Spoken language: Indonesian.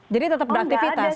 jadi tetap ada aktivitas